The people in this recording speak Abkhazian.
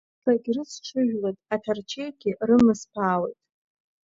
Сагьрыцҽыжәлоит аҭарчеигьы рымысԥаауеит…